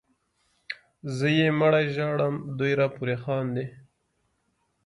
زه یې مړی ژاړم دوی راپورې خاندي